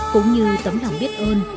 cũng như tấm lòng biết ơn